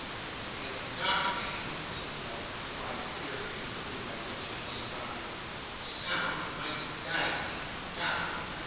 'If they would knock again,' said Quilp, trying to peer into the gloom by which he was surrounded, 'the sound might guide me! Come!